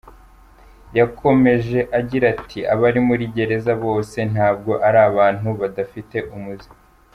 Yakomeje agira ati “Abari muri gereza bose ntabwo ari abantu badafite umuze.